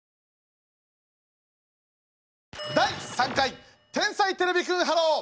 第３回「天才てれびくんｈｅｌｌｏ，」。